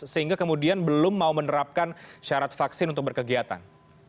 sehingga kemudian belum mau menerapkan syarat vaksin untuk berkegiatan